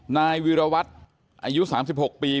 นายวีรวัตรอายุ๓๖ปี